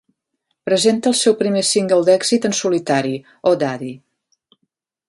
Presenta el seu primer single d'èxit en solitari: "Oh Daddy".